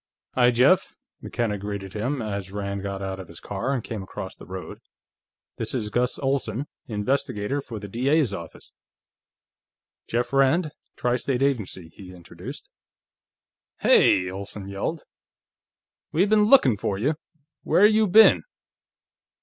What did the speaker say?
"Hi, Jeff," McKenna greeted him, as Rand got out of his car and came across the road. "This is Gus Olsen, investigator for the D.A.'s office. Jeff Rand; Tri State Agency," he introduced. "Hey!" Olsen yelled. "We been lookin' for you! Where you been?"